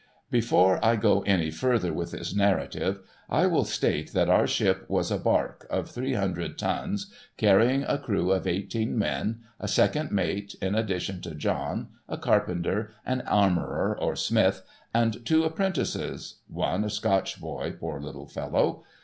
Before I go any further with this narrative, I will state that our ship was a barque of three hundred tons, carrying a crew of eighteen men, a second mate in addition to John, a carpenter, an armourer or smith, and two apprentices (one a Scotch boy, poor little fellow).